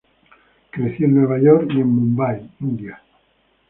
Creció en Nueva York y en Mumbai, India.